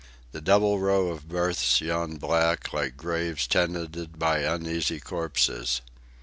The double row of berths yawned black, like graves tenanted by uneasy corpses.